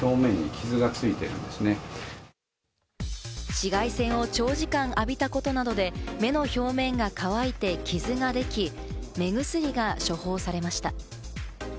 紫外線を長時間浴びたことなどで目の表面が乾いて傷ができ、目薬が処方されました。